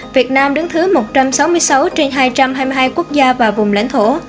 việt nam đứng thứ một trăm sáu mươi sáu trên hai trăm hai mươi hai quốc gia và vùng lãnh thổ